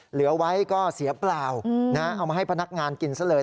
เหลือไว้ก็เสียเปล่าเอามาให้พนักงานกินซะเลย